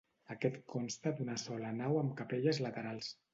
Aquest consta d'una sola nau amb capelles laterals.